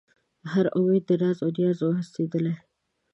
هر اُمید د ناز و نیاز و هستېدلی